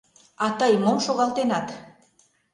А тый мом шогалтенат?